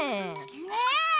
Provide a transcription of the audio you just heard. ねえ。